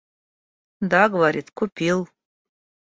Да, говорит, купил.